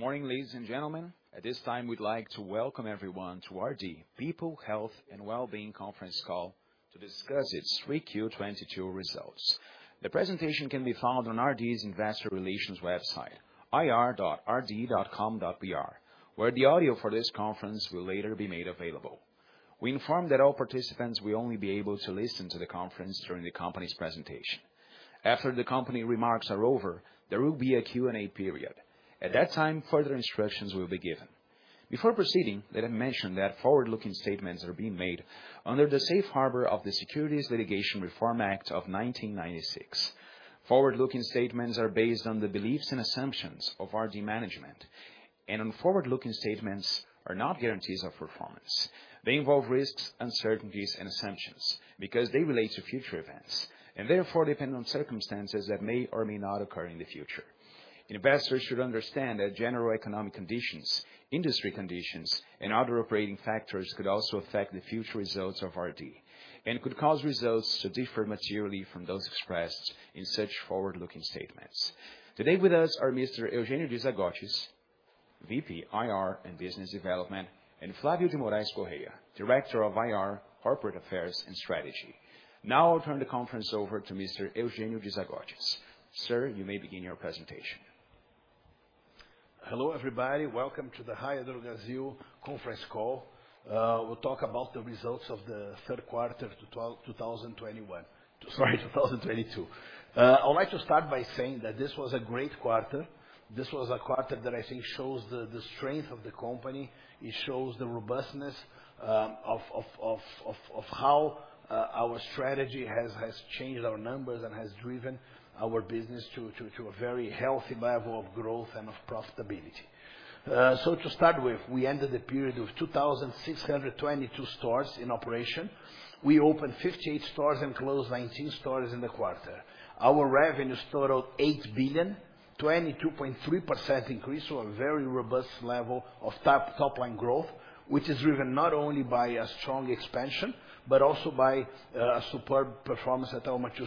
Morning, ladies and gentlemen. At this time, we'd like to welcome everyone to RD People, Health and Well-being Conference Call to discuss its 3Q 2022 results. The presentation can be found on RD's investor relations website, ri.rdsaude.com.br, where the audio for this conference will later be made available. We inform that all participants will only be able to listen to the conference during the company's presentation. After the company remarks are over, there will be a Q&A period. At that time, further instructions will be given. Before proceeding, let me mention that forward-looking statements are being made under the Safe Harbor of the Private Securities Litigation Reform Act of 1995. Forward-looking statements are based on the beliefs and assumptions of RD management. Forward-looking statements are not guarantees of performance. They involve risks, uncertainties, and assumptions because they relate to future events, and therefore depend on circumstances that may or may not occur in the future. Investors should understand that general economic conditions, industry conditions, and other operating factors could also affect the future results of RD and could cause results to differ materially from those expressed in such forward-looking statements. Today with us are Mr. Eugenio de Zagottis, VP, IR and Business Development, and Flavio Correia, Director of IR, Corporate Affairs and Strategy. Now I'll turn the conference over to Mr. Eugenio de Zagottis. Sir, you may begin your presentation. Hello, everybody. Welcome to the Raia Drogasil Conference Call. We'll talk about the results of the third quarter of 2022. I'd like to start by saying that this was a great quarter. This was a quarter that I think shows the strength of the company. It shows the robustness of how our strategy has changed our numbers and has driven our business to a very healthy level of growth and of profitability. To start with, we ended the period of 2,622 stores in operation. We opened 58 stores and closed 19 stores in the quarter. Our revenues totaled 8 billion, 22.3% increase to a very robust level of top-line growth, which is driven not only by a strong expansion, but also by superb performance at our mature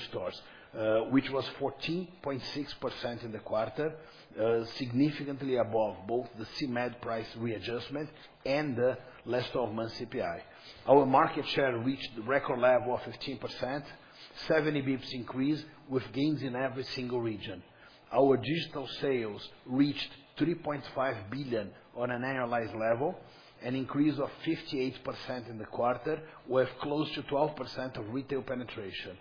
stores, which was 14.6% in the quarter, significantly above both the CMED price readjustment and the last 12-month CPI. Our market share reached the record level of 15%, 70 basis points increase with gains in every single region. Our digital sales reached 3.5 billion on an annualized level, an increase of 58% in the quarter, with close to 12% of retail penetration.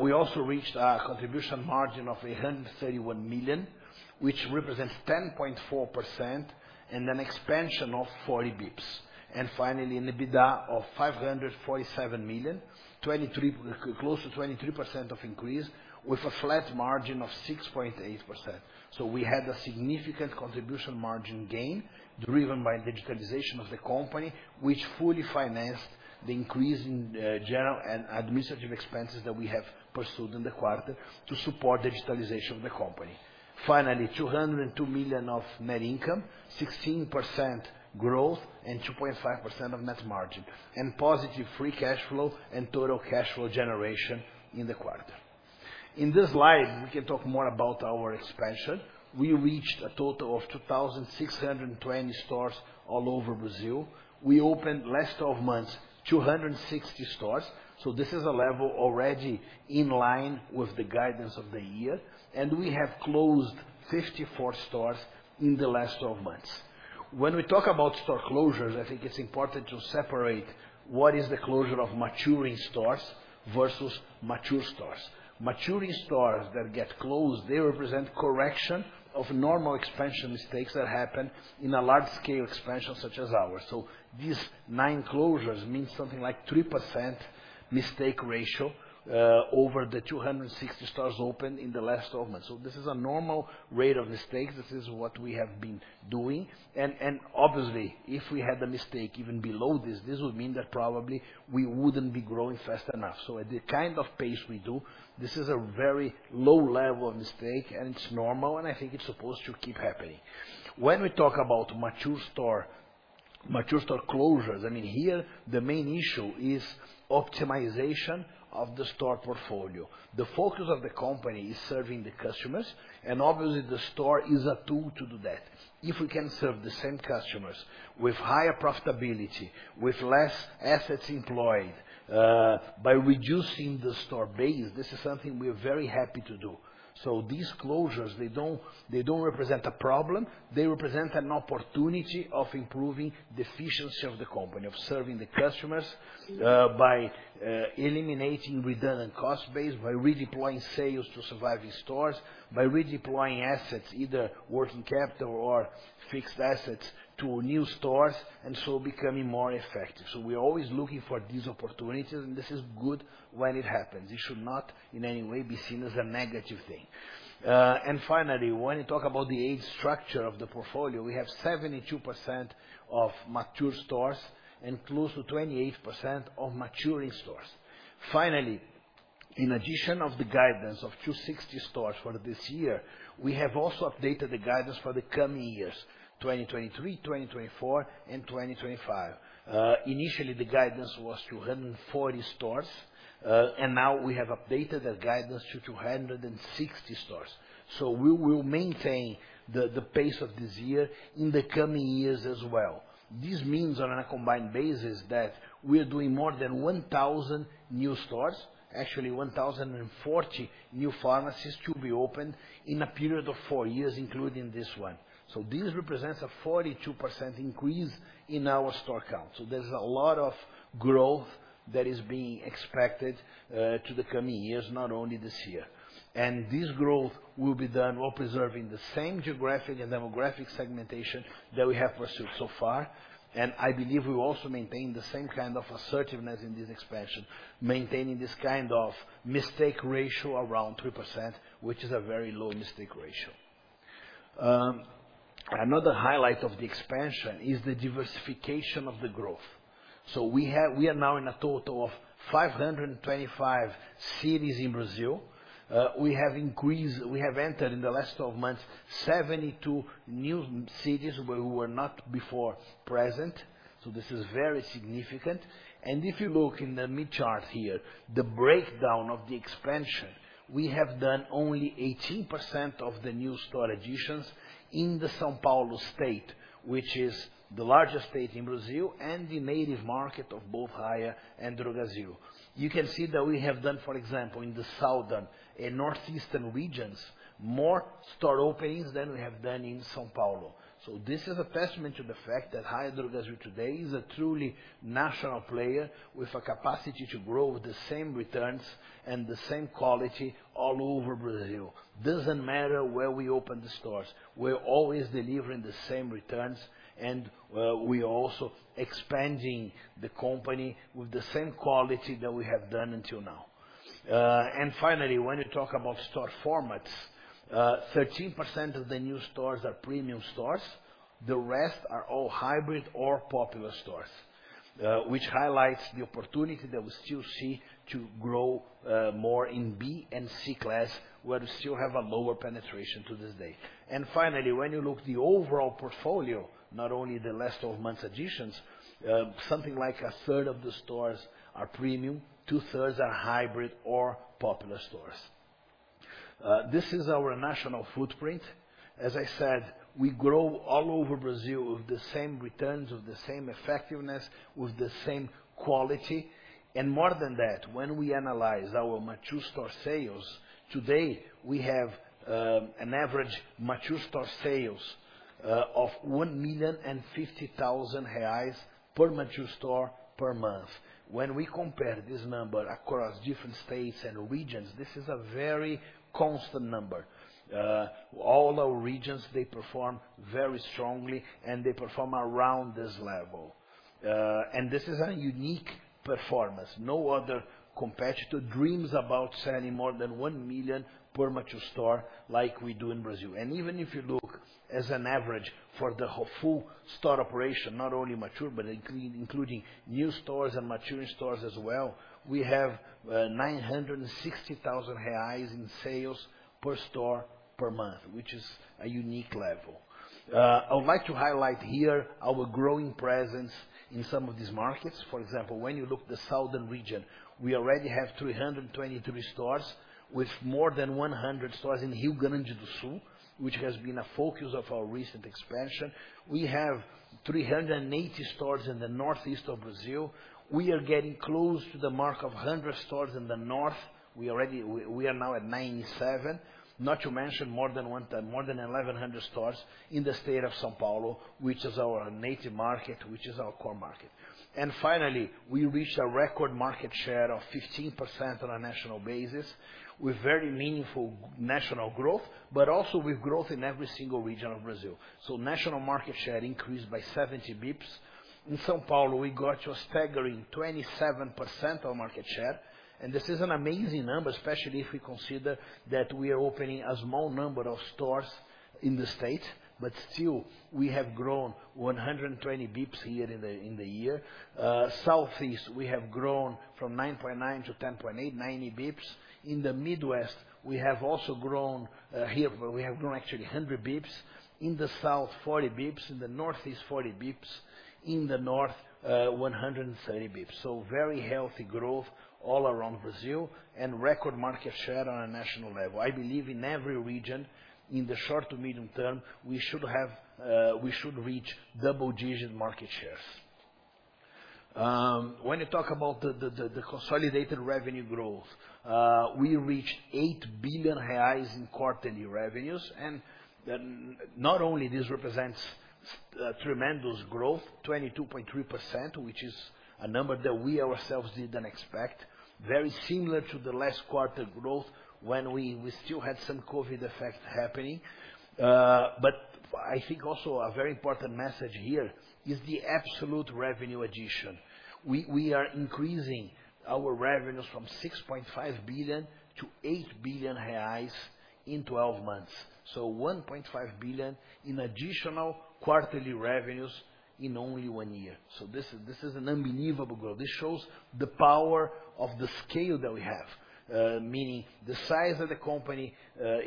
We also reached a contribution margin of 131 million, which represents 10.4% and an expansion of 40 basis points. Finally, an EBITDA of 547 million, close to 23% increase with a flat margin of 6.8%. We had a significant contribution margin gain driven by digitalization of the company, which fully financed the increase in general and administrative expenses that we have pursued in the quarter to support digitalization of the company. Finally, 202 million of net income, 16% growth, and 2.5% net margin, and positive free cash flow and total cash flow generation in the quarter. In this slide, we can talk more about our expansion. We reached a total of 2,620 stores all over Brazil. We opened last 12 months, 260 stores, so this is a level already in line with the guidance of the year. We have closed 54 stores in the last 12 months. When we talk about store closures, I think it's important to separate what is the closure of maturing stores versus mature stores. Maturing stores that get closed, they represent correction of normal expansion mistakes that happen in a large scale expansion such as ours. These nine closures means something like 3% mistake ratio over the 260 stores opened in the last 12 months. This is a normal rate of mistakes. This is what we have been doing. Obviously, if we had a mistake even below this would mean that probably we wouldn't be growing fast enough. At the kind of pace we do, this is a very low level of mistake, and it's normal, and I think it's supposed to keep happening. When we talk about mature store closures, I mean, here the main issue is optimization of the store portfolio. The focus of the company is serving the customers, and obviously the store is a tool to do that. If we can serve the same customers with higher profitability, with less assets employed, by reducing the store base, this is something we're very happy to do. These closures, they don't represent a problem. They represent an opportunity of improving the efficiency of the company, of serving the customers, by eliminating redundant cost base, by redeploying sales to surviving stores, by redeploying assets, either working capital or fixed assets to new stores, and so becoming more effective. We're always looking for these opportunities, and this is good when it happens. It should not in any way be seen as a negative thing. Finally, when you talk about the age structure of the portfolio, we have 72% of mature stores and close to 28% of maturing stores. In addition to the guidance of 260 stores for this year, we have also updated the guidance for the coming years, 2023, 2024, and 2025. Initially, the guidance was 240 stores, and now we have updated that guidance to 260 stores. We will maintain the pace of this year in the coming years as well. This means on a combined basis that we're doing more than 1,000 new stores, actually 1,040 new pharmacies to be opened in a period of four years, including this one. This represents a 42% increase in our store count. There's a lot of growth that is being expected to the coming years, not only this year. This growth will be done while preserving the same geographic and demographic segmentation that we have pursued so far. I believe we also maintain the same kind of assertiveness in this expansion, maintaining this kind of mistake ratio around 3%, which is a very low mistake ratio. Another highlight of the expansion is the diversification of the growth. We are now in a total of 525 cities in Brazil. We have entered in the last 12 months 72 new cities where we were not before present, so this is very significant. If you look in the mid chart here, the breakdown of the expansion, we have done only 18% of the new store additions in the São Paulo state, which is the largest state in Brazil and the native market of both Raia and Drogasil. You can see that we have done, for example, in the southern and northeastern regions, more store openings than we have done in São Paulo. This is a testament to the fact that Raia Drogasil today is a truly national player with a capacity to grow the same returns and the same quality all over Brazil. Doesn't matter where we open the stores, we're always delivering the same returns, and we are also expanding the company with the same quality that we have done until now. Finally, when you talk about store formats, 13% of the new stores are premium stores. The rest are all hybrid or popular stores, which highlights the opportunity that we still see to grow more in B and C class, where we still have a lower penetration to this day. Finally, when you look at the overall portfolio, not only the last 12 months additions, something like a third of the stores are premium, 2/3 are hybrid or popular stores. This is our national footprint. As I said, we grow all over Brazil with the same returns, with the same effectiveness, with the same quality. More than that, when we analyze our mature store sales, today we have an average mature store sales of 1.05 million reais per mature store per month. When we compare this number across different states and regions, this is a very constant number. All our regions, they perform very strongly and they perform around this level. This is a unique performance. No other competitor dreams about selling more than 1 million per mature store like we do in Brazil. Even if you look as an average for the full store operation, not only mature, but including new stores and maturing stores as well, we have 960,000 reais in sales per store per month, which is a unique level. I would like to highlight here our growing presence in some of these markets. For example, when you look at the southern region, we already have 323 stores with more than 100 stores in Rio Grande do Sul, which has been a focus of our recent expansion. We have 380 stores in the northeast of Brazil. We are getting close to the mark of 100 stores in the north. We are now at 97. Not to mention more than 1,100 stores in the state of São Paulo, which is our native market, which is our core market. Finally, we reached a record market share of 15% on a national basis with very meaningful national growth, but also with growth in every single region of Brazil. National market share increased by 70 bps. In São Paulo, we got to a staggering 27% of market share. This is an amazing number, especially if we consider that we are opening a small number of stores in the state, but still we have grown 120 basis points year-on-year. Southeast, we have grown from 9.9% to 10.8%, 90 basis points. In the Midwest, we have also grown, here we have grown actually 100 basis points. In the south, 40 basis points. In the northeast, 40 basis points. In the north, 130 basis points. Very healthy growth all around Brazil and record market share on a national level. I believe in every region in the short to medium term, we should reach double-digit market shares. When you talk about the consolidated revenue growth, we reached 8 billion reais in quarterly revenues. Not only this represents tremendous growth, 22.3%, which is a number that we ourselves didn't expect, very similar to the last quarter growth when we still had some COVID effect happening. I think also a very important message here is the absolute revenue addition. We are increasing our revenues from 6.5 billion to 8 billion reais in 12 months. 1.5 billion in additional quarterly revenues in only one year. This is an unbelievable growth. This shows the power of the scale that we have. Meaning the size of the company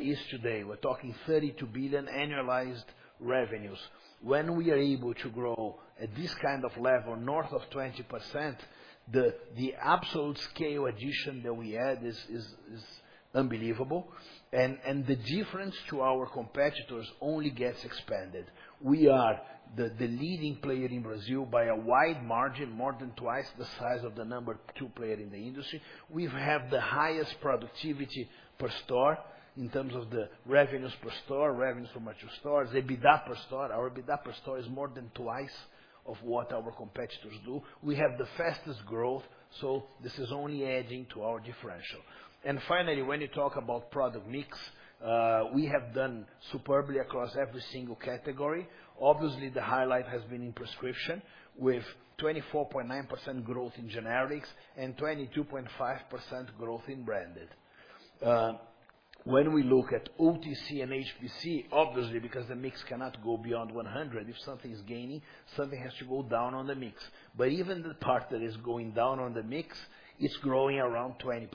is today, we're talking 32 billion annualized revenues. When we are able to grow at this kind of level, north of 20% the absolute scale addition that we had is unbelievable. The difference to our competitors only gets expanded. We are the leading player in Brazil by a wide margin, more than twice the size of the number two player in the industry. We have the highest productivity per store in terms of the revenues per store, revenues for mature stores, EBITDA per store. Our EBITDA per store is more than twice of what our competitors do. We have the fastest growth, so this is only adding to our differential. Finally, when you talk about product mix, we have done superbly across every single category. Obviously, the highlight has been in prescription with 24.9% growth in generics and 22.5% growth in branded. When we look at OTC and HPC, obviously, because the mix cannot go beyond 100, if something's gaining, something has to go down on the mix. Even the part that is going down on the mix, it's growing around 20%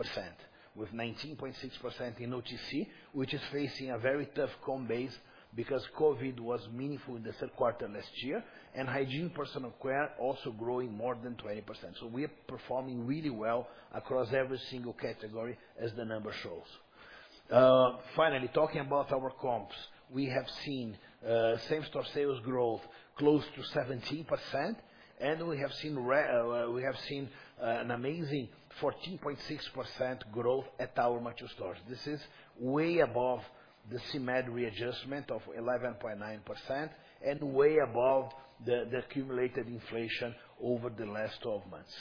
with 19.6% in OTC, which is facing a very tough comp base because COVID was meaningful in the third quarter last year. Hygiene personal care also growing more than 20%. We're performing really well across every single category as the number shows. Finally, talking about our comps. We have seen same store sales growth close to 17%, and we have seen an amazing 14.6% growth at our mature stores. This is way above the CMED readjustment of 11.9% and way above the accumulated inflation over the last 12 months.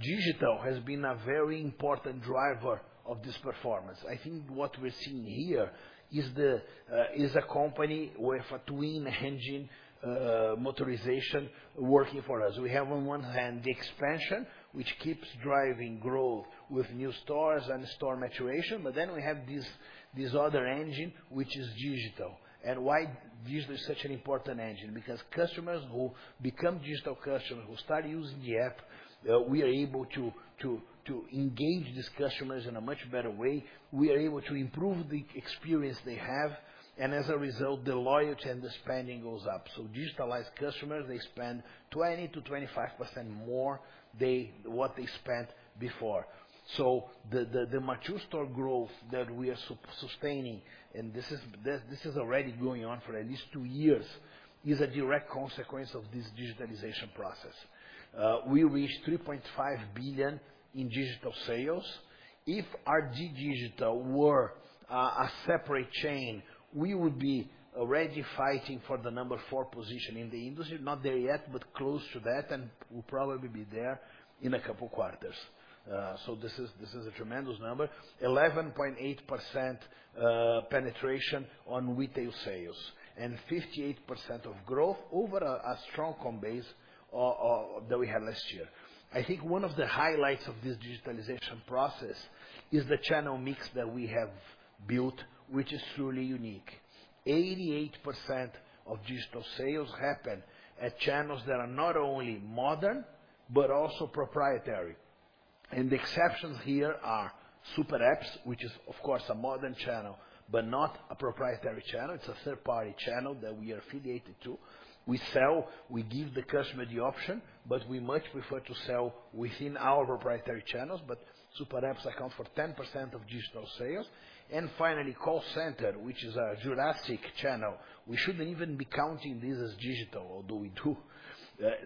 Digital has been a very important driver of this performance. I think what we're seeing here is a company with a twin engine motorization working for us. We have on one hand, the expansion, which keeps driving growth with new stores and store maturation, but then we have this other engine, which is digital. Why digital is such an important engine? Because customers who become digital customers, who start using the app, we are able to engage these customers in a much better way. We are able to improve the experience they have and as a result, the loyalty and the spending goes up. Digitalized customers spend 20%-25% more than what they spent before. The mature store growth that we are sustaining, this is already going on for at least two years, is a direct consequence of this digitalization process. We reached 3.5 billion in digital sales. If our digital were a separate chain, we would be already fighting for the number four position in the industry. Not there yet, but close to that and we'll probably be there in a couple quarters. This is a tremendous number. 11.8% penetration on retail sales and 58% of growth over a strong comp base that we had last year. I think one of the highlights of this digitalization process is the channel mix that we have built, which is truly unique. 88% of digital sales happen at channels that are not only modern but also proprietary. The exceptions here are super apps, which is of course a modern channel but not a proprietary channel. It's a third-party channel that we are affiliated to. We sell, we give the customer the option, but we much prefer to sell within our proprietary channels. Super apps account for 10% of digital sales. Finally, call center, which is a Jurassic channel. We shouldn't even be counting this as digital, although we do.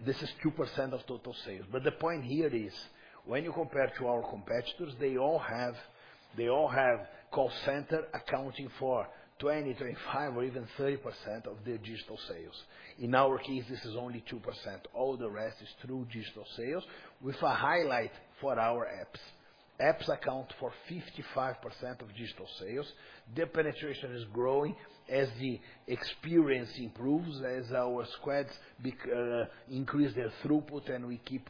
This is 2% of total sales. The point here is when you compare to our competitors, they all have call center accounting for 20, 25 or even 30% of their digital sales. In our case, this is only 2%. All the rest is through digital sales with a highlight for our apps. Apps account for 55% of digital sales. Their penetration is growing as the experience improves, as our squads increase their throughput and we keep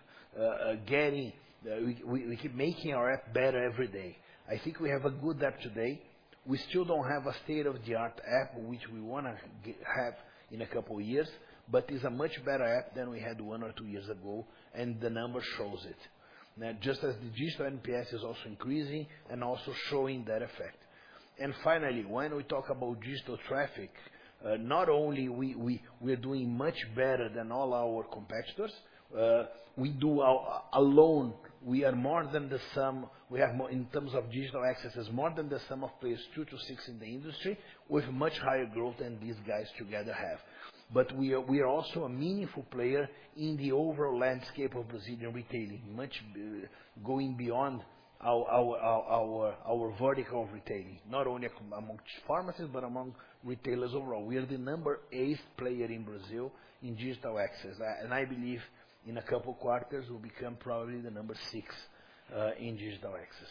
making our app better every day. I think we have a good app today. We still don't have a state-of-the-art app, which we wanna have in a couple years, but it's a much better app than we had one or two years ago, and the numbers shows it. Now just as the digital NPS is also increasing and also showing that effect. Finally, when we talk about digital traffic, not only we're doing much better than all our competitors, we do it alone, we are more than the sum of players two to six in the industry with much higher growth than these guys together have. We are also a meaningful player in the overall landscape of Brazilian retailing, going beyond our vertical of retailing. Not only among pharmacies, but among retailers overall. We are the eighth player in Brazil in digital access. I believe in a couple quarters, we'll become probably the sixth in digital access.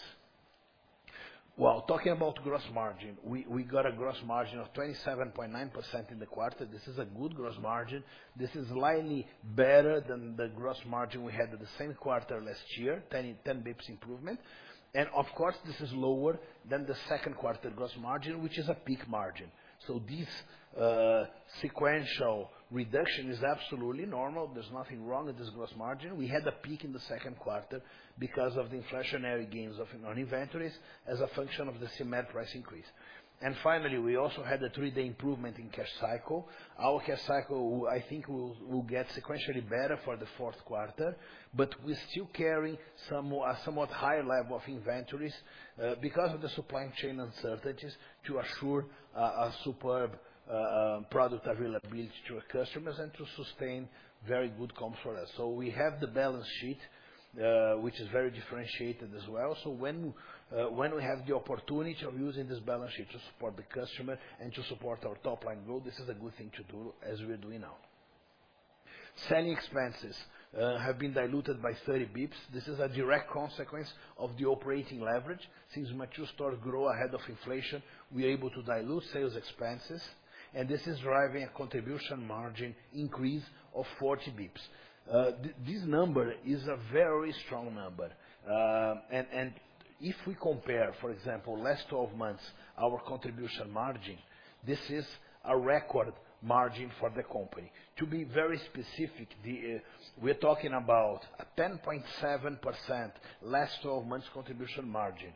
Well, talking about gross margin, we got a gross margin of 27.9% in the quarter. This is a good gross margin. This is slightly better than the gross margin we had at the same quarter last year, 10 basis points improvement. Of course, this is lower than the second quarter gross margin, which is a peak margin. This sequential reduction is absolutely normal. There's nothing wrong with this gross margin. We had a peak in the second quarter because of the inflationary gains of, you know, inventories as a function of the CMED price increase. Finally, we also had a three-day improvement in cash cycle. Our cash cycle will, I think, get sequentially better for the fourth quarter, but we're still carrying somewhat higher level of inventories because of the supply chain uncertainties to assure a superb product availability to our customers and to sustain very good comfort. We have the balance sheet, which is very differentiated as well. When we have the opportunity of using this balance sheet to support the customer and to support our top line growth, this is a good thing to do as we're doing now. Selling expenses have been diluted by 30 basis points. This is a direct consequence of the operating leverage. Since mature stores grow ahead of inflation, we're able to dilute sales expenses, and this is driving a contribution margin increase of 40 basis points. This number is a very strong number. And if we compare, for example, last 12 months our contribution margin, this is a record margin for the company. To be very specific, we're talking about a 10.7% last 12 months contribution margin.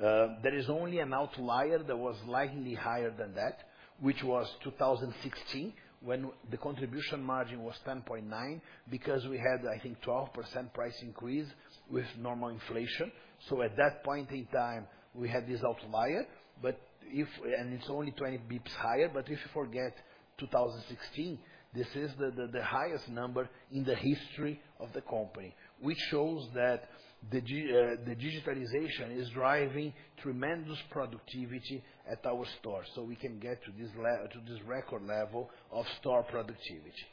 There is only an outlier that was slightly higher than that, which was 2016, when the contribution margin was 10.9%, because we had, I think, 12% price increase with normal inflation. At that point in time, we had this outlier, but if it's only 20 basis points higher. If you forget 2016, this is the highest number in the history of the company, which shows that the digitalization is driving tremendous productivity at our stores, so we can get to this record level of store productivity.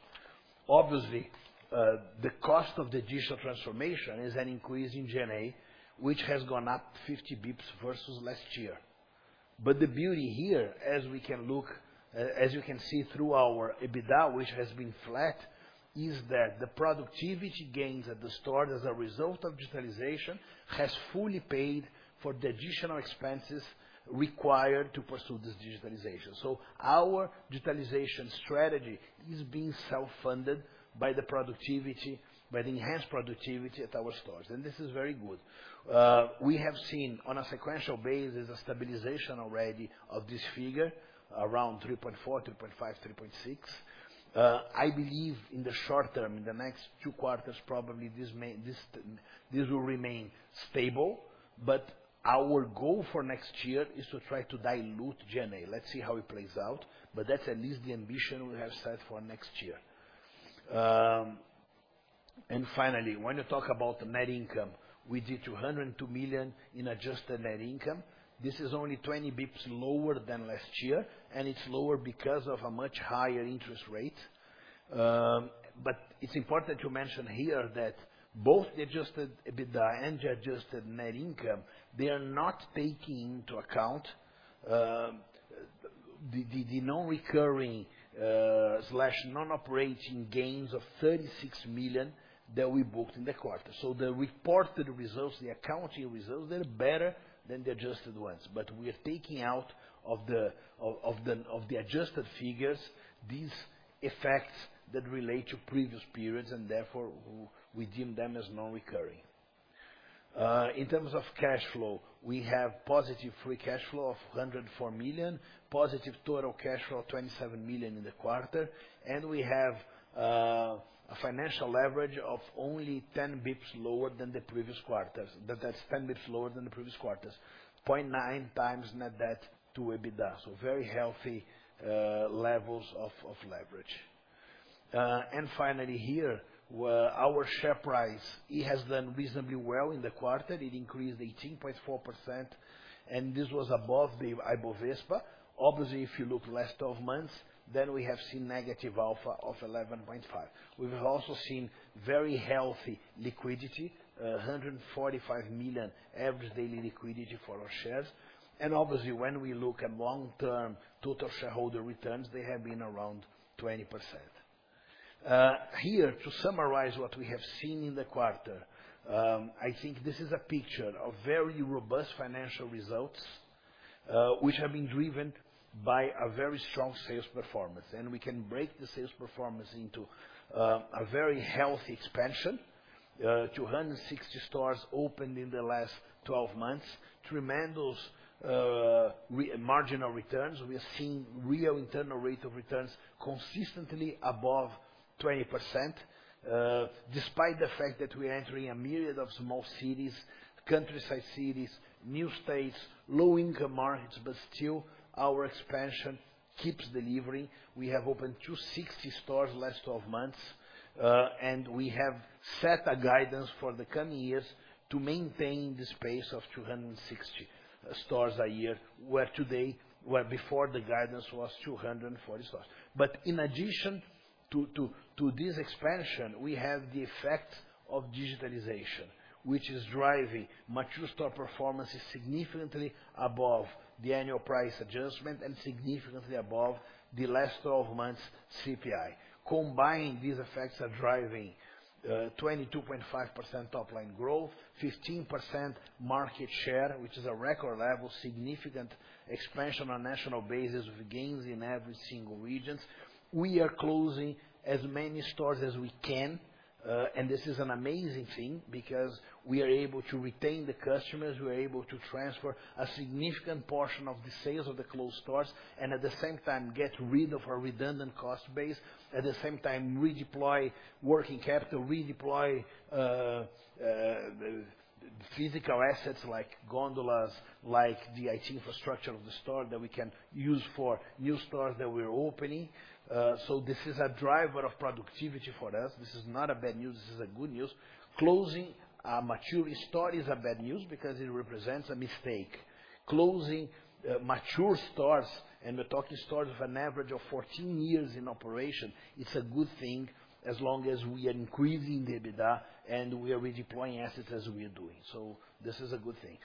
Obviously, the cost of the digital transformation is an increase in G&A, which has gone up 50 basis points versus last year. The beauty here, as we can look, as you can see through our EBITDA, which has been flat, is that the productivity gains at the store as a result of digitalization has fully paid for the additional expenses required to pursue this digitalization. Our digitalization strategy is being self-funded by the productivity, by the enhanced productivity at our stores, and this is very good. We have seen on a sequential basis a stabilization already of this figure around 3.4%, 3.5%, 3.6%. I believe in the short term, in the next two quarters, probably this will remain stable, but our goal for next year is to try to dilute G&A. Let's see how it plays out, but that's at least the ambition we have set for next year. Finally, when you talk about net income, we did 202 million in adjusted net income. This is only 20 bps lower than last year, and it's lower because of a much higher interest rate. It's important to mention here that both the Adjusted EBITDA and the adjusted net income, they are not taking into account the non-recurring or non-operating gains of 36 million that we booked in the quarter. The reported results, the accounting results, they're better than the adjusted ones. We are taking out of the adjusted figures these effects that relate to previous periods and therefore we deem them as non-recurring. In terms of cash flow, we have positive free cash flow of 104 million, positive total cash flow of 27 million in the quarter, and we have a financial leverage of only 10 basis points lower than the previous quarters. That's 10 basis points lower than the previous quarters. 0.9x net debt to EBITDA, so very healthy levels of leverage. Finally here, our share price, it has done reasonably well in the quarter. It increased 18.4%, and this was above the Ibovespa. Obviously, if you look last 12 months, then we have seen negative alpha of 11.5%. We've also seen very healthy liquidity, 145 million average daily liquidity for our shares. Obviously, when we look at long-term total shareholder returns, they have been around 20%. Here to summarize what we have seen in the quarter, I think this is a picture of very robust financial results, which have been driven by a very strong sales performance. We can break the sales performance into a very healthy expansion. 260 stores opened in the last 12 months. Tremendous marginal returns. We are seeing real internal rate of returns consistently above 20%, despite the fact that we are entering a myriad of small cities, countryside cities, new states, low-income markets, but still our expansion keeps delivering. We have opened 260 stores last 12 months. We have set a guidance for the coming years to maintain this pace of 260 stores a year, where before the guidance was 240 stores. In addition to this expansion, we have the effect of digitalization, which is driving mature store performance is significantly above the annual price adjustment and significantly above the last 12 months CPI. Combining these effects are driving 22.5% top line growth, 15% market share, which is a record level, significant expansion on national basis with gains in every single regions. We are closing as many stores as we can, and this is an amazing thing because we are able to retain the customers, we are able to transfer a significant portion of the sales of the closed stores, and at the same time, get rid of our redundant cost base. At the same time, redeploy working capital, physical assets like gondolas, like the IT infrastructure of the store that we can use for new stores that we're opening. This is a driver of productivity for us. This is not a bad news, this is a good news. Closing a maturing store is a bad news because it represents a mistake. Closing mature stores, and we're talking stores of an average of 14 years in operation, it's a good thing as long as we are increasing the EBITDA and we are redeploying assets as we are doing. This is a good thing.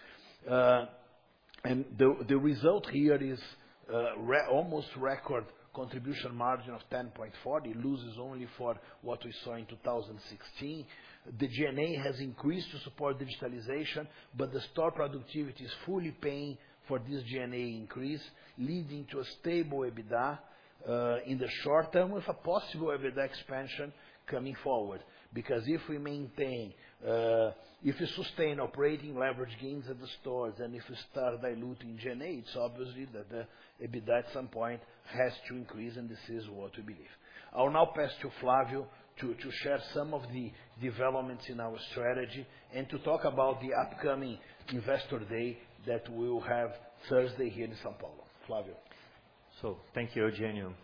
And the result here is really almost record contribution margin of 10.4%. It loses only to what we saw in 2016. The G&A has increased to support digitalization, but the store productivity is fully paying for this G&A increase, leading to a stable EBITDA in the short term, with a possible EBITDA expansion coming forward. Because if we sustain operating leverage gains at the stores, and if we start diluting G&A, it's obviously that the EBITDA at some point has to increase, and this is what we believe. I'll now pass to Flavio to share some of the developments in our strategy and to talk about the upcoming investor day that we will have Thursday here in São Paulo. Flavio. Thank you, Eugenio.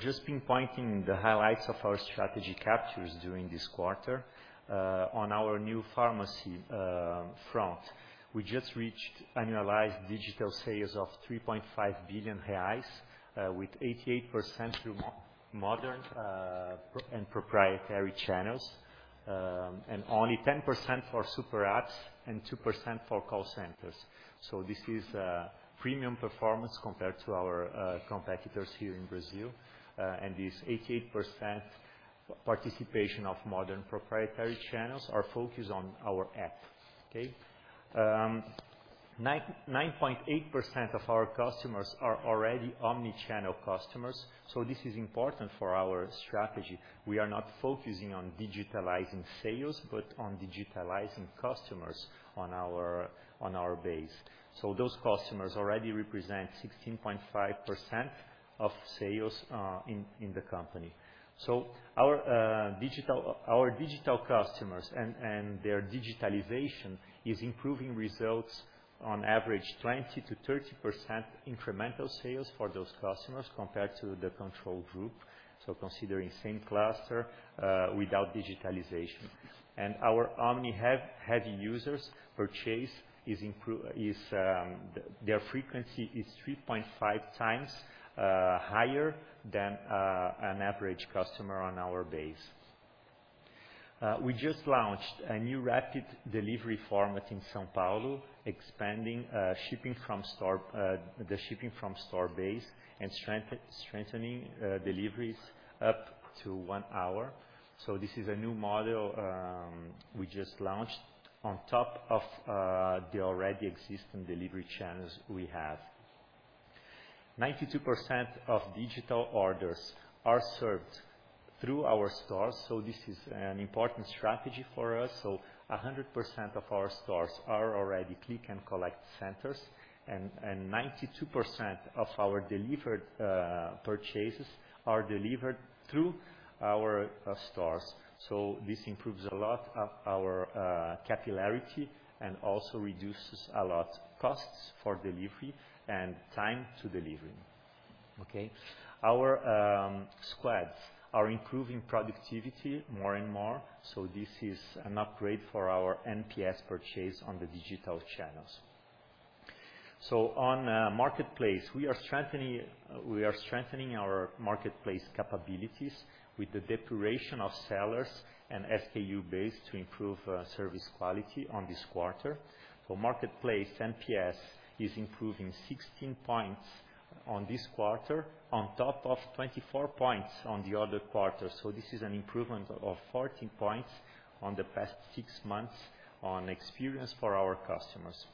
Just pinpointing the highlights of our strategy captures during this quarter. On our new pharmacy front, we just reached annualized digital sales of 3.5 billion reais with 88% through modern proprietary channels, and only 10% for super apps and 2% for call centers. This is premium performance compared to our competitors here in Brazil. This 88% participation of modern proprietary channels are focused on our app, okay. 9.8% of our customers are already omni-channel customers, so this is important for our strategy. We are not focusing on digitalizing sales, but on digitalizing customers on our base. Those customers already represent 16.5% of sales in the company. Our digital customers and their digitalization is improving results on average 20%-30% incremental sales for those customers compared to the control group. Considering same cluster without digitalization. Our omni-heavy users' frequency is 3.5x higher than an average customer on our base. We just launched a new rapid delivery format in São Paulo, expanding shipping from store base and strengthening deliveries up to one hour. This is a new model we just launched on top of the already existing delivery channels we have. 92% of digital orders are served through our stores, so this is an important strategy for us. 100% of our stores are already click-and-collect centers, and 92% of our delivered purchases are delivered through our stores. This improves a lot of our capillarity and also reduces a lot costs for delivery and time to delivery, okay? Our squads are improving productivity more and more, so this is an upgrade for our NPS purchase on the digital channels. On marketplace, we are strengthening our marketplace capabilities with the depuration of sellers and SKU base to improve service quality on this quarter. Marketplace NPS is improving 16 points on this quarter on top of 24 points on the other quarter. This is an improvement of 14 points on the past six months on experience for our customers.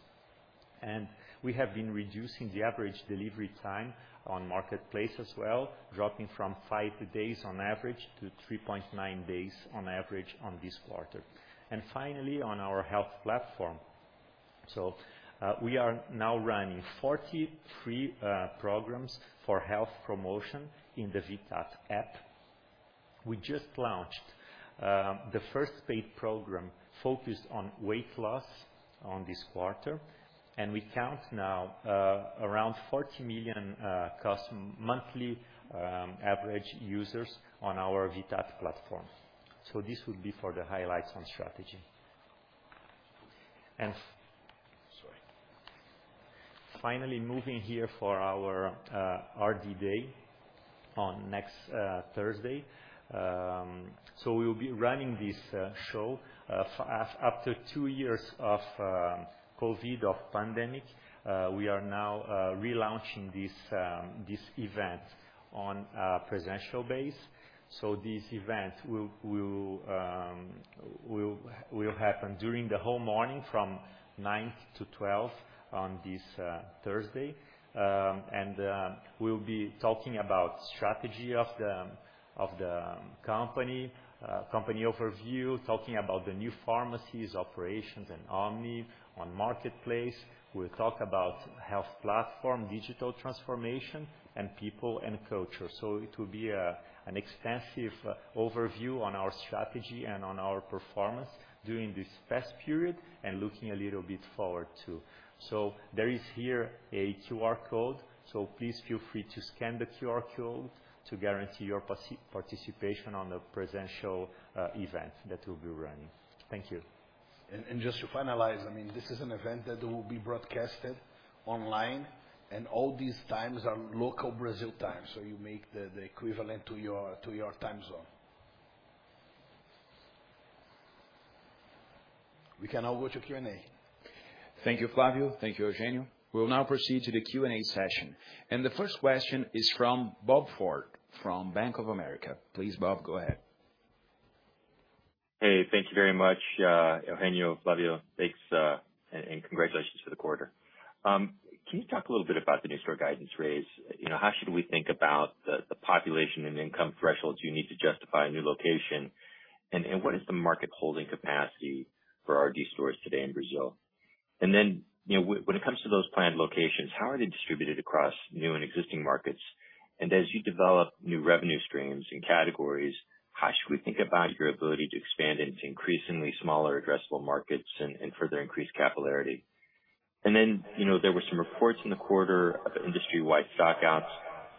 We have been reducing the average delivery time on marketplace as well, dropping from five days on average to 3.9 days on average on this quarter. Finally, on our health platform. We are now running 40 free programs for health promotion in the Vitat app. We just launched the first paid program focused on weight loss on this quarter, and we count now around 40 million customer monthly average users on our Vitat platform. This would be for the highlights on strategy. Finally moving here for our RD Day on next Thursday. We will be running this show after two years of COVID, of pandemic. We are now relaunching this event on a presential basis. This event will happen during the whole morning from 9:00 A.M. to 12:00 P.M. on this Thursday. We'll be talking about strategy of the company overview, talking about the new pharmacies, operations and omni on marketplace. We'll talk about health platform, digital transformation, and people and culture. It will be an extensive overview on our strategy and on our performance during this past period and looking a little bit forward too. There is here a QR code. Please feel free to scan the QR code to guarantee your participation on the presential event that we'll be running. Thank you. Just to finalize, I mean, this is an event that will be broadcasted online, and all these times are local Brazil time. You make the equivalent to your time zone. We can now go to Q&A. Thank you, Flavio. Thank you, Eugenio. We'll now proceed to the Q&A session. The first question is from Robert Ford from Bank of America. Please, Bob, go ahead. Hey. Thank you very much, Eugenio, Flavio. Thanks, and congratulations for the quarter. Can you talk a little bit about the new store guidance raise? You know, how should we think about the population and income thresholds you need to justify a new location? And what is the market holding capacity for RD stores today in Brazil? And then, you know, when it comes to those planned locations, how are they distributed across new and existing markets? And as you develop new revenue streams and categories, how should we think about your ability to expand into increasingly smaller addressable markets and further increase capillarity? And then, you know, there were some reports in the quarter of industry-wide stock-outs.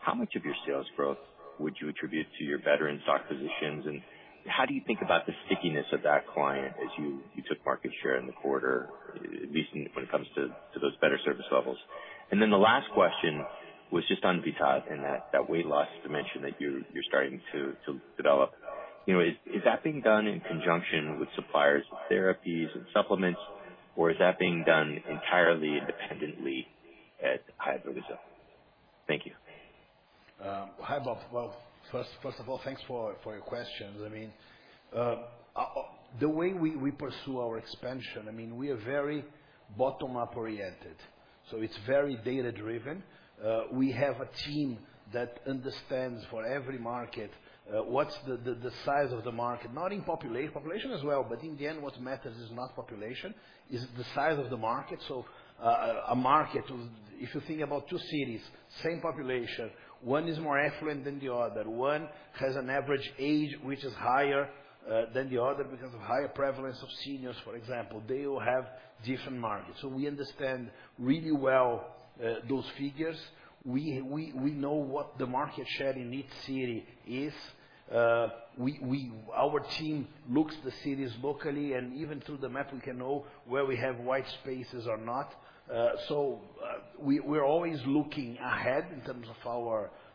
How much of your sales growth would you attribute to your bettering stock positions? How do you think about the stickiness of that client as you took market share in the quarter, at least when it comes to those better service levels? The last question was just on Vitat and that weight loss dimension that you're starting to develop. You know, is that being done in conjunction with suppliers of therapies and supplements, or is that being done entirely independently at RD Brazil? Thank you. Hi, Bob. Well, first of all, thanks for your questions. I mean, the way we pursue our expansion, I mean, we are very bottom-up oriented, so it's very data-driven. We have a team that understands for every market what's the size of the market, not in population as well, but in the end, what matters is not population, is the size of the market. A market, if you think about two cities, same population, one is more affluent than the other. One has an average age which is higher than the other because of higher prevalence of seniors, for example. They will have different markets. We understand really well those figures. We know what the market share in each city is. Our team looks the cities locally and even through the map we can know where we have white spaces or not. We're always looking ahead in terms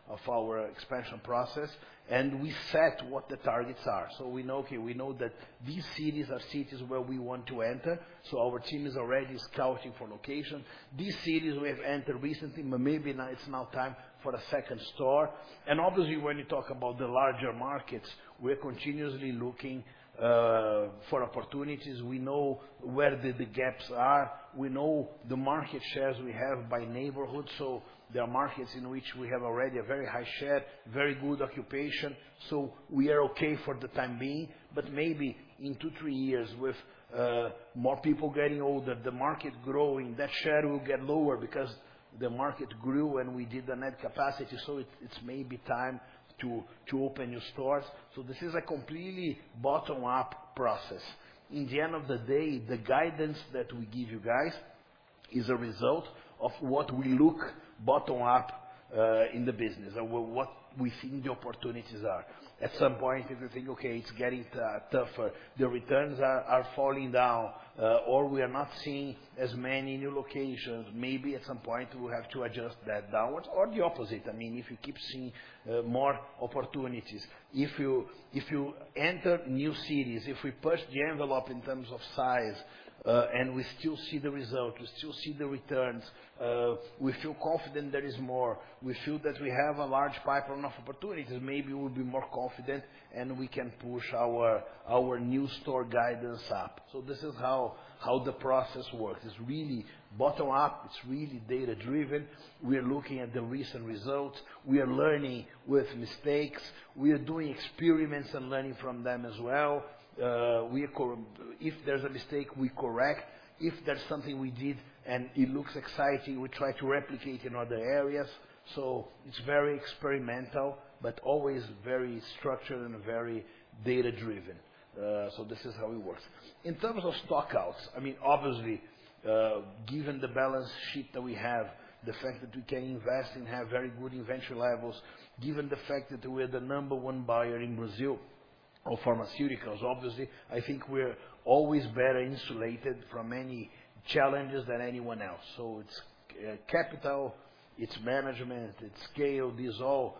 of our expansion process, and we set what the targets are. We know that these cities are cities where we want to enter, so our team is already scouting for location. These cities we have entered recently, but maybe now it's time for a second store. Obviously, when you talk about the larger markets, we're continuously looking for opportunities. We know where the gaps are. We know the market shares we have by neighborhood. There are markets in which we have already a very high share, very good occupation. We are okay for the time being, but maybe in two-three years, with more people getting older, the market growing, that share will get lower because the market grew and we did the net capacity. It's maybe time to open new stores. This is a completely bottom-up process. In the end of the day, the guidance that we give you guys is a result of what we look bottom-up in the business and what we think the opportunities are. At some point, if we think, okay, it's getting tougher, the returns are falling down, or we are not seeing as many new locations, maybe at some point we have to adjust that downwards or the opposite. I mean, if you keep seeing more opportunities, if you enter new cities, if we push the envelope in terms of size, and we still see the result, we still see the returns, we feel confident there is more. We feel that we have a large pipeline of opportunities, maybe we'll be more confident and we can push our new store guidance up. This is how the process works. It's really bottom up. It's really data-driven. We are looking at the recent results. We are learning from mistakes. We are doing experiments and learning from them as well. If there's a mistake, we correct. If there's something we did and it looks exciting, we try to replicate in other areas. It's very experimental, but always very structured and very data-driven. This is how it works. In terms of stock-outs, I mean, obviously, given the balance sheet that we have, the fact that we can invest and have very good inventory levels, given the fact that we're the number one buyer in Brazil of pharmaceuticals, obviously, I think we're always better insulated from any challenges than anyone else. It's capital, it's management, it's scale. These all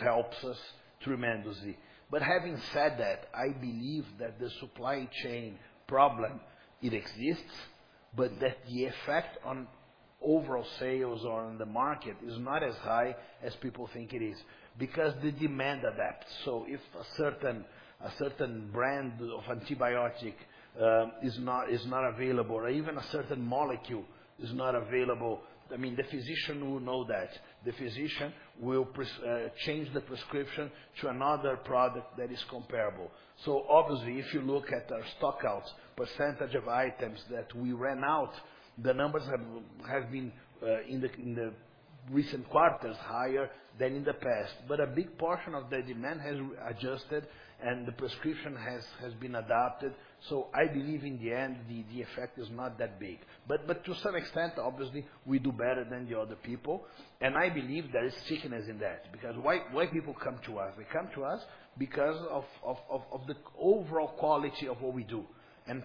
help us tremendously. Having said that, I believe that the supply chain problem it exists, but that the effect on overall sales or on the market is not as high as people think it is because the demand adapts. If a certain brand of antibiotic is not available or even a certain molecule is not available, I mean, the physician will know that. The physician will change the prescription to another product that is comparable. Obviously, if you look at our stockouts, percentage of items that we ran out, the numbers have been in the recent quarters higher than in the past. A big portion of the demand has adjusted and the prescription has been adapted. I believe in the end the effect is not that big. To some extent, obviously, we do better than the other people, and I believe there is stickiness in that. Because why people come to us? They come to us because of the overall quality of what we do.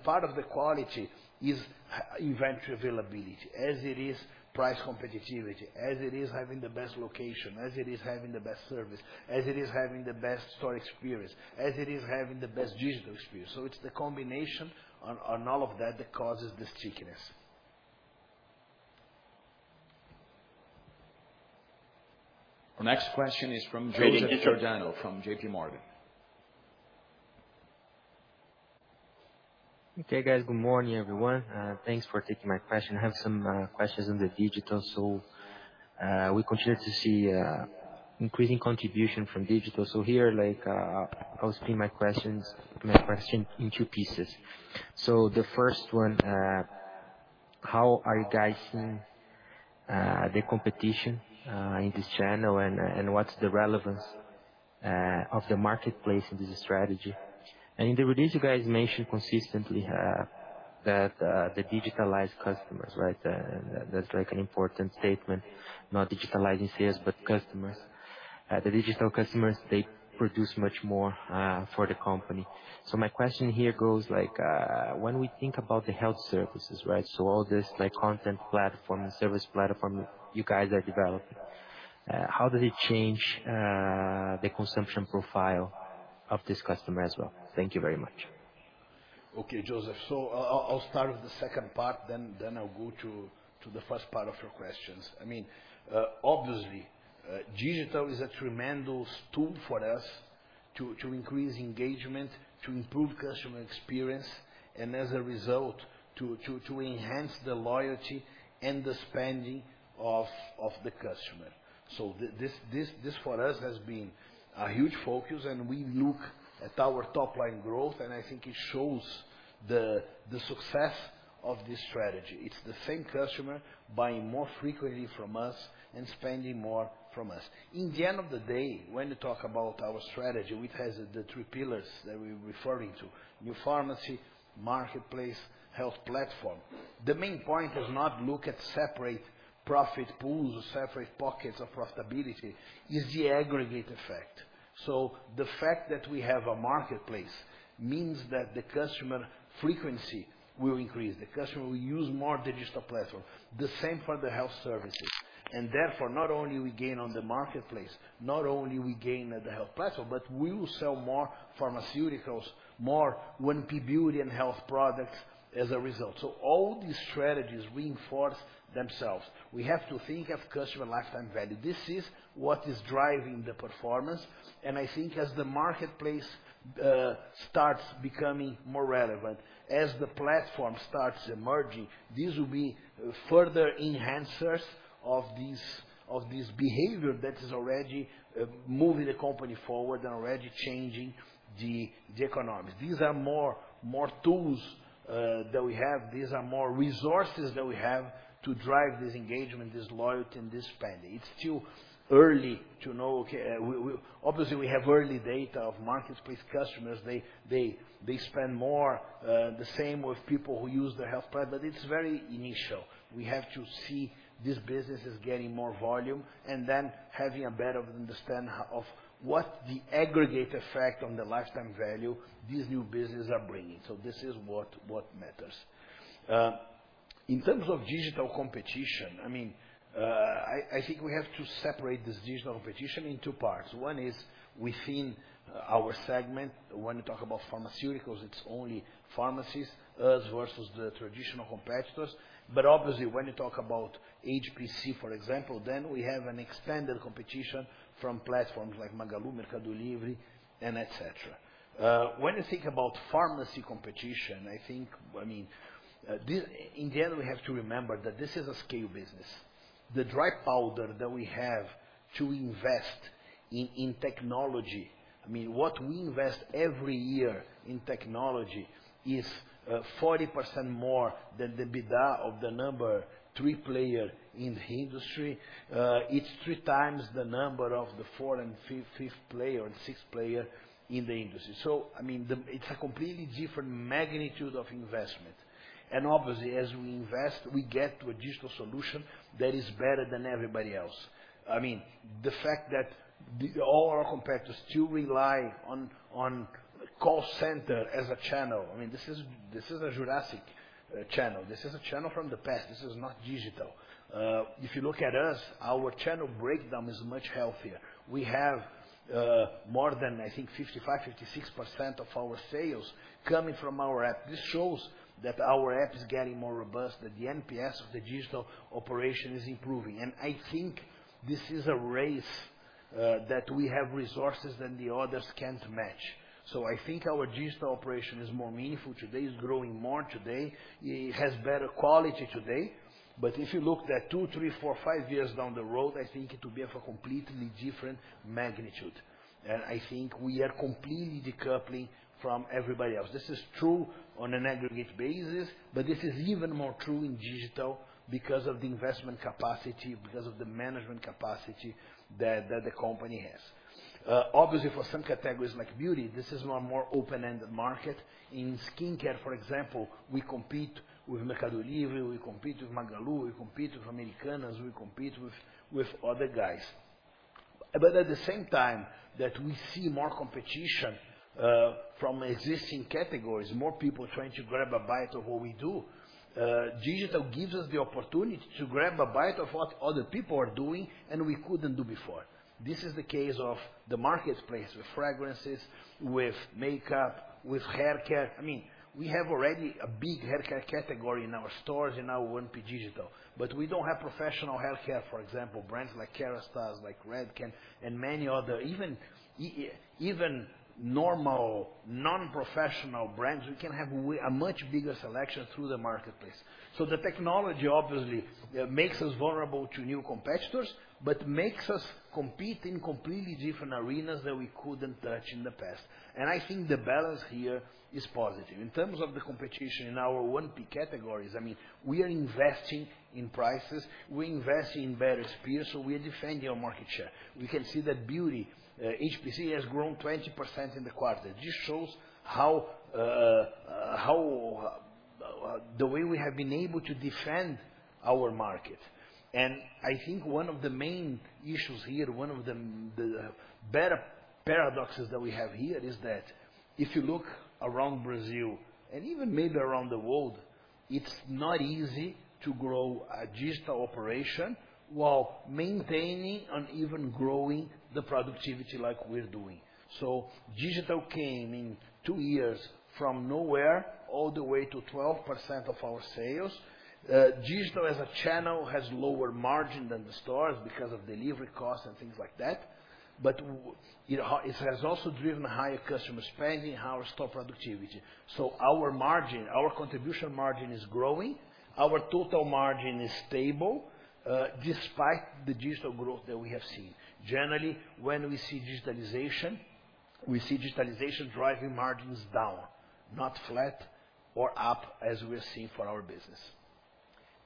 Part of the quality is high inventory availability as it is price competitiveness, as it is having the best location, as it is having the best service, as it is having the best store experience, as it is having the best digital experience. It's the combination on all of that that causes the stickiness. The next question is from Joseph Giordano from JPMorgan. Okay, guys. Good morning, everyone. Thanks for taking my question. I have some questions on the digital. We continue to see increasing contribution from digital. Here, like, I'll split my question in two pieces. The first one, how are you guys seeing the competition in this channel and what's the relevance of the marketplace in this strategy? In the release, you guys mentioned consistently that the digitalized customers, right? That's like an important statement. Not digitalizing sales, but customers. The digital customers, they produce much more for the company. My question here goes like, when we think about the health services, right? All this like content platform, service platform you guys are developing, how did it change the consumption profile of this customer as well? Thank you very much. Okay, Joseph. I'll start with the second part, then I'll go to the first part of your questions. I mean, obviously, digital is a tremendous tool for us to increase engagement, to improve customer experience, and as a result, to enhance the loyalty and the spending of the customer. This for us has been a huge focus and we look at our top line growth, and I think it shows the success of this strategy. It's the same customer buying more frequently from us and spending more from us. At the end of the day, when you talk about our strategy, which has the three pillars that we're referring to, new pharmacy, marketplace, health platform, the main point is not look at separate profit pools or separate pockets of profitability, it's the aggregate effect. The fact that we have a marketplace means that the customer frequency will increase, the customer will use more digital platform. The same for the health services. Therefore, not only we gain on the marketplace, not only we gain at the health platform, but we will sell more pharmaceuticals, more NP Beauty and Health products as a result. All these strategies reinforce themselves. We have to think of customer lifetime value. This is what is driving the performance. I think as the marketplace starts becoming more relevant, as the platform starts emerging, this will be further enhancers of this behavior that is already moving the company forward and already changing the economics. These are more tools that we have. These are more resources that we have to drive this engagement, this loyalty, and this spending. It's still early to know. We obviously have early data of marketplace customers. They spend more, the same with people who use the health platform but it's very initial. We have to see these businesses getting more volume and then having a better understand of what the aggregate effect on the lifetime value these new businesses are bringing. This is what matters. In terms of digital competition, I mean, I think we have to separate this digital competition in two parts. One is within our segment. When you talk about pharmaceuticals, it's only pharmacies, us versus the traditional competitors. Obviously, when you talk about HPC, for example, then we have an extended competition from platforms like Magalu, Mercado Livre, and et cetera. When you think about pharmacy competition, I think, I mean, in the end, we have to remember that this is a scale business. The dry powder that we have to invest in technology, I mean, what we invest every year in technology is 40% more than the EBITDA of the number three player in the industry. It's 3x the number of the fourth and fifth player and sixth player in the industry. I mean, it's a completely different magnitude of investment. Obviously, as we invest, we get to a digital solution that is better than everybody else. I mean, the fact that all our competitors still rely on call center as a channel. I mean, this is a jurassic channel. This is a channel from the past. This is not digital. If you look at us, our channel breakdown is much healthier. We have more than I think 55%, 56% of our sales coming from our app. This shows that our app is getting more robust, that the NPS of the digital operation is improving. I think this is a race that we have resources that the others can't match. I think our digital operation is more meaningful today, is growing more today, it has better quality today. If you look at two, three, four, five years down the road, I think it will be of a completely different magnitude. I think we are completely decoupling from everybody else. This is true on an aggregate basis, but this is even more true in digital because of the investment capacity, because of the management capacity that the company has. Obviously, for some categories like beauty, this is more open-ended market. In skincare, for example, we compete with Mercado Livre, we compete with Magalu, we compete with Americanas, we compete with other guys. At the same time that we see more competition from existing categories, more people trying to grab a bite of what we do, digital gives us the opportunity to grab a bite of what other people are doing and we couldn't do before. This is the case of the marketplace with fragrances, with makeup, with hair care. I mean, we have already a big hair care category in our stores, in our 1P digital. We don't have professional hair care, for example, brands like Kérastase, like Redken, and many other. Even normal non-professional brands, we can have a much bigger selection through the marketplace. The technology obviously makes us vulnerable to new competitors, but makes us compete in completely different arenas that we couldn't touch in the past. I think the balance here is positive. In terms of the competition in our 1P categories, I mean, we are investing in prices, we're investing in better speeds, so we are defending our market share. We can see that beauty, HPC has grown 20% in the quarter. This shows how the way we have been able to defend our market. I think one of the main issues here, the better paradoxes that we have here is that if you look around Brazil and even maybe around the world, it's not easy to grow a digital operation while maintaining and even growing the productivity like we're doing. Digital came in two years from nowhere all the way to 12% of our sales. Digital as a channel has lower margin than the stores because of delivery costs and things like that. But you know, it has also driven higher customer spending and higher store productivity. Our margin, our contribution margin is growing. Our total margin is stable, despite the digital growth that we have seen. Generally, when we see digitalization, we see digitalization driving margins down, not flat or up as we are seeing for our business.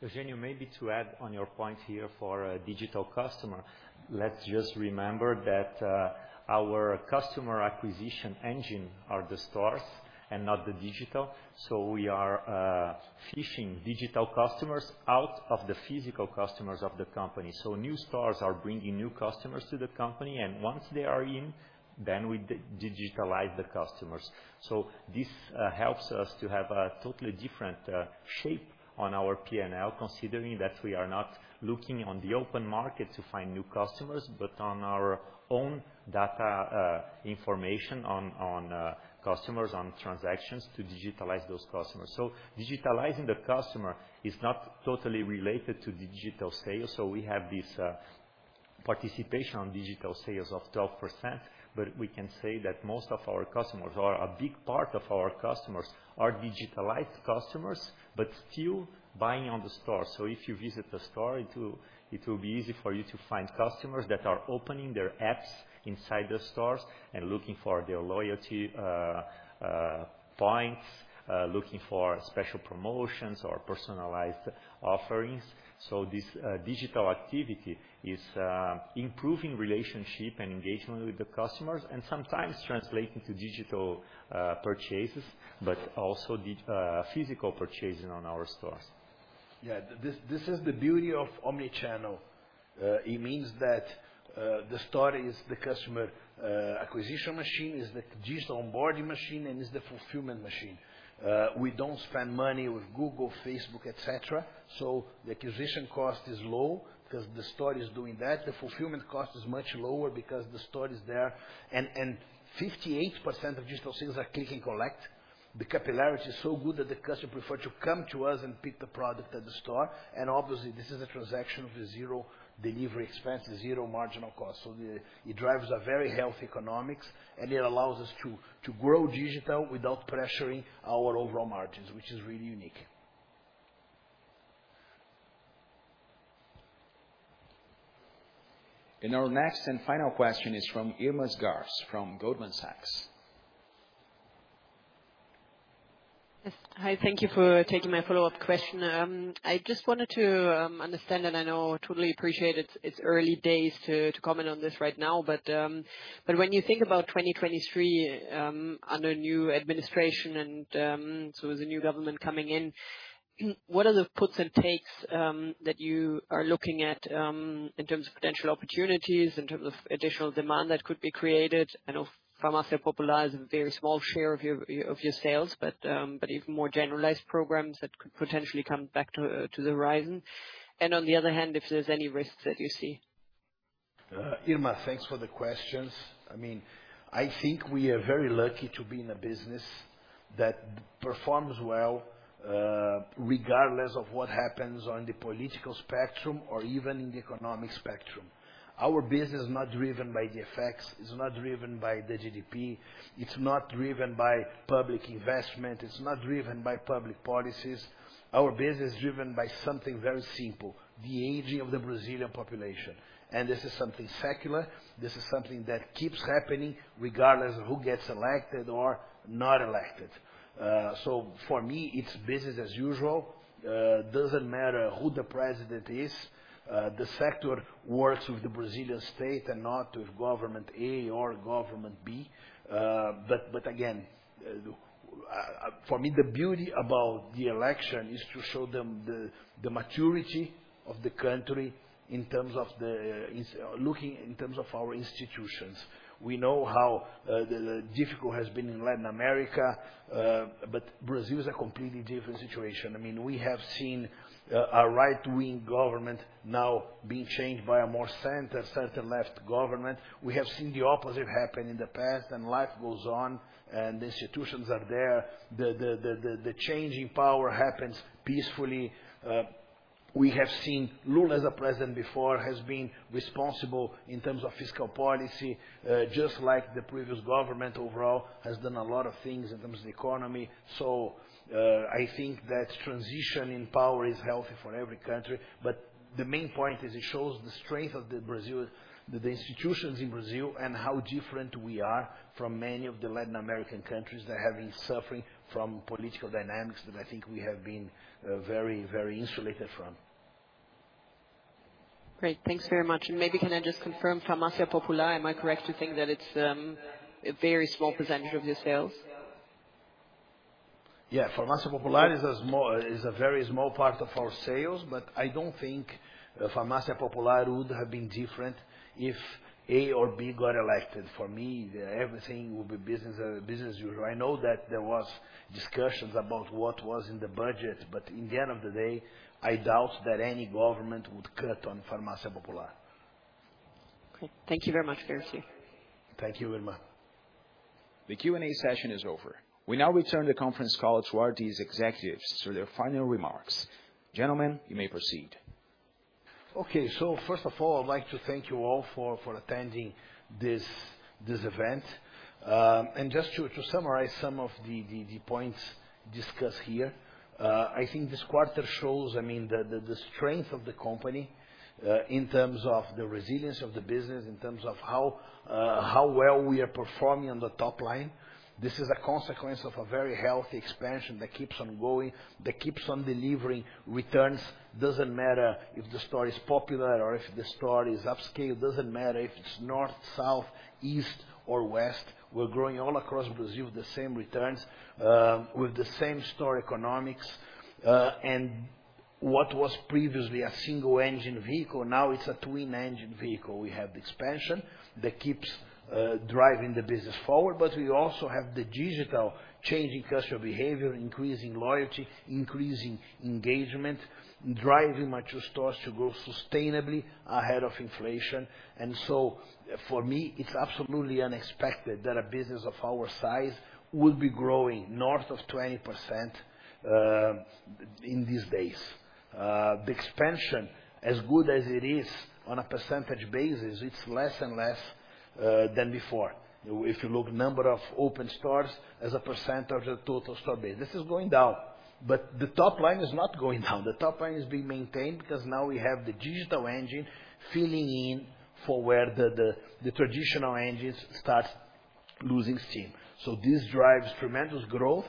Eugenio, maybe to add on your point here for a digital customer, let's just remember that, our customer acquisition engine are the stores and not the digital. We are fishing digital customers out of the physical customers of the company. New stores are bringing new customers to the company, and once they are in, then we digitalize the customers. This helps us to have a totally different shape on our P&L, considering that we are not looking on the open market to find new customers, but on our own data, information on customers, on transactions to digitalize those customers. Digitalizing the customer is not totally related to digital sales. We have this participation in digital sales of 12%, but we can say that most of our customers or a big part of our customers are digitalized customers, but still buying in the store. If you visit the store, it will be easy for you to find customers that are opening their apps inside the stores and looking for their loyalty points, looking for special promotions or personalized offerings. This digital activity is improving relationship and engagement with the customers and sometimes translating to digital purchases, but also physical purchasing in our stores. Yeah. This is the beauty of omni-channel. It means that the store is the customer acquisition machine, is the digital onboarding machine, and is the fulfillment machine. We don't spend money with Google, Facebook, et cetera, so the acquisition cost is low because the store is doing that. The fulfillment cost is much lower because the store is there. 58% of digital sales are click and collect. The capillarity is so good that the customer prefer to come to us and pick the product at the store. Obviously, this is a transaction with zero delivery expense, zero marginal cost. It drives a very healthy economics, and it allows us to grow digital without pressuring our overall margins, which is really unique. Our next and final question is from Irma Sgarz from Goldman Sachs. Yes. Hi, thank you for taking my follow-up question. I just wanted to understand, and I know, totally appreciate it's early days to comment on this right now. When you think about 2023, under new administration and so with the new government coming in. What are the puts and takes that you are looking at in terms of potential opportunities, in terms of additional demand that could be created? I know Farmácia Popular is a very small share of your sales, but even more generalized programs that could potentially come back to the horizon. On the other hand, if there's any risks that you see. Irma, thanks for the questions. I mean, I think we are very lucky to be in a business that performs well, regardless of what happens on the political spectrum or even in the economic spectrum. Our business is not driven by the effects, it's not driven by the GDP, it's not driven by public investment, it's not driven by public policies. Our business is driven by something very simple: the aging of the Brazilian population. This is something secular. This is something that keeps happening regardless of who gets elected or not elected. For me, it's business as usual. Doesn't matter who the president is, the sector works with the Brazilian state and not with government A or government B. Again, for me, the beauty about the election is to show them the maturity of the country in terms of looking in terms of our institutions. We know how difficult it has been in Latin America, but Brazil is a completely different situation. I mean, we have seen a right-wing government now being changed by a more center-left government. We have seen the opposite happen in the past, and life goes on, and the institutions are there. The changing power happens peacefully. We have seen Lula as a president before, has been responsible in terms of fiscal policy, just like the previous government overall has done a lot of things in terms of the economy. I think that transition in power is healthy for every country. The main point is it shows the strength of Brazil, the institutions in Brazil and how different we are from many of the Latin American countries that have been suffering from political dynamics that I think we have been very, very insulated from. Great. Thanks very much. Maybe can I just confirm, Farmácia Popular, am I correct to think that it's a very small percentage of your sales? Yeah. Farmácia Popular is a very small part of our sales, but I don't think Farmácia Popular would have been different if A or B got elected. For me, everything will be business as usual. I know that there was discussions about what was in the budget, but in the end of the day, I doubt that any government would cut on Farmácia Popular. Great. Thank you very much, Eugenio. Thank you, Irma. The Q&A session is over. We now return the conference call to RD's executives for their final remarks. Gentlemen, you may proceed. Okay. First of all, I'd like to thank you all for attending this event. Just to summarize some of the points discussed here, I think this quarter shows, I mean, the strength of the company in terms of the resilience of the business, in terms of how well we are performing on the top line. This is a consequence of a very healthy expansion that keeps on going, that keeps on delivering returns. Doesn't matter if the store is popular or if the store is upscale. Doesn't matter if it's north, south, east or west. We're growing all across Brazil with the same returns, with the same store economics, and what was previously a single-engine vehicle, now it's a twin-engine vehicle. We have the expansion that keeps driving the business forward, but we also have the digital change in customer behavior, increasing loyalty, increasing engagement, driving mature stores to grow sustainably ahead of inflation. For me, it's absolutely unexpected that a business of our size would be growing north of 20% in these days. The expansion, as good as it is on a percentage basis, it's less and less than before. If you look number of open stores as a percent of the total store base, this is going down, but the top line is not going down. The top line is being maintained because now we have the digital engine filling in for where the traditional engines start losing steam. This drives tremendous growth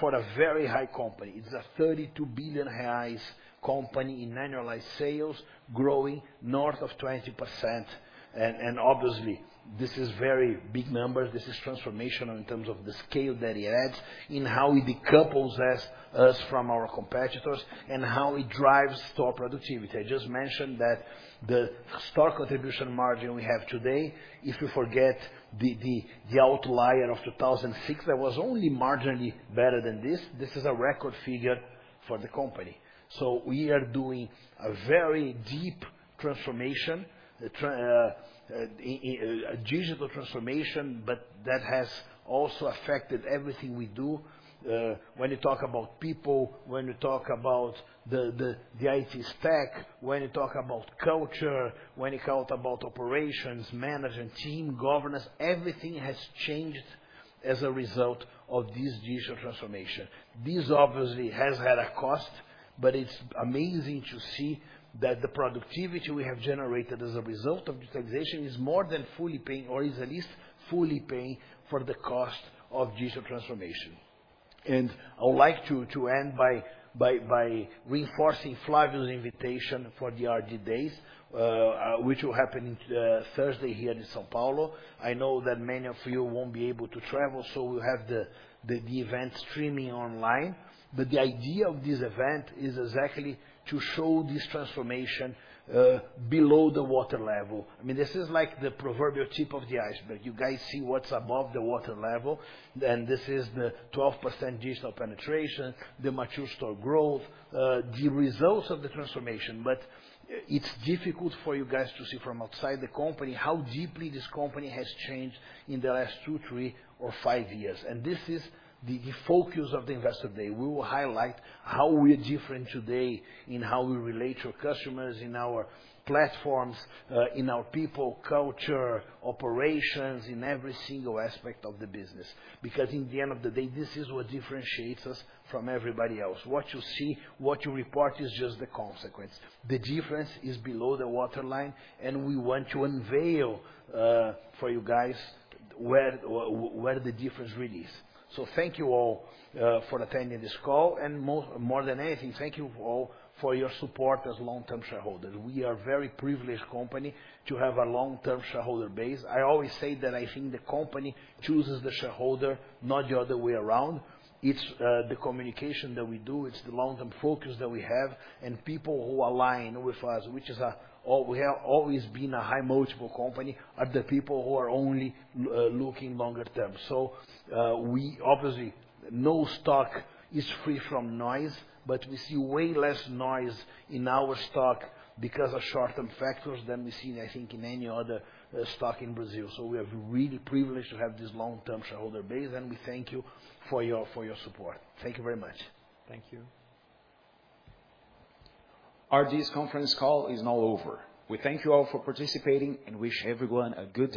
for a very high company. It's a 32 billion reais company in annualized sales growing north of 20%. Obviously, this is very big numbers. This is transformational in terms of the scale that it adds in how it decouples us from our competitors and how it drives store productivity. I just mentioned that the store contribution margin we have today, if you forget the outlier of 2006, that was only marginally better than this. This is a record figure for the company. We are doing a very deep transformation, a digital transformation, but that has also affected everything we do. When you talk about people, when you talk about the IT stack, when you talk about culture, when you talk about operations, management, team, governance, everything has changed as a result of this digital transformation. This obviously has had a cost, but it's amazing to see that the productivity we have generated as a result of digitalization is more than fully paying or is at least fully paying for the cost of digital transformation. I would like to end by reinforcing Flávio's invitation for the RD Day, which will happen on Thursday here in São Paulo. I know that many of you won't be able to travel, so we'll have the event streaming online. The idea of this event is exactly to show this transformation below the water level. I mean, this is like the proverbial tip of the iceberg. You guys see what's above the water level, and this is the 12% digital penetration, the mature store growth, the results of the transformation. It's difficult for you guys to see from outside the company how deeply this company has changed in the last two, three or five years. This is the focus of the Investor Day. We will highlight how we're different today in how we relate to our customers, in our platforms, in our people, culture, operations, in every single aspect of the business. Because in the end of the day, this is what differentiates us from everybody else. What you see, what you report is just the consequence. The difference is below the waterline, and we want to unveil for you guys where where the difference really is. Thank you all for attending this call. More than anything, thank you all for your support as long-term shareholders. We are very privileged company to have a long-term shareholder base. I always say that I think the company chooses the shareholder, not the other way around. It's the communication that we do, it's the long-term focus that we have and people who align with us, we have always been a high multiple company, are the people who are only looking longer term. We obviously, no stock is free from noise, but we see way less noise in our stock because of short-term factors than we see, I think, in any other stock in Brazil. We are really privileged to have this long-term shareholder base, and we thank you for your support. Thank you very much. Thank you. RD's conference call is now over. We thank you all for participating and wish everyone a good day.